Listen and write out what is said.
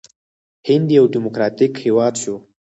هند یو ډیموکراټیک هیواد شو.